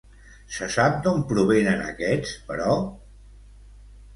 Se sap d'on provenen aquests, però?